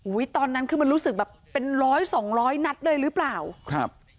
ตอนนั้นคือมันรู้สึกแบบเป็นร้อยสองร้อยนัดเลยหรือเปล่าครับ